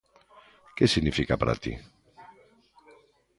Que significa para ti?